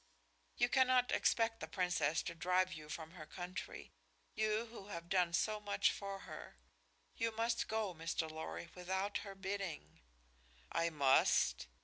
"You cannot expect the Princess to drive you from her country, you who have done so much for her. You must go, Mr. Lorry, without her bidding." "I must?"